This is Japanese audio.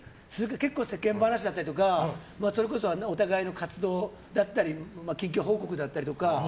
結構、世間話とかお互いの活動だったり近況報告だったりとか。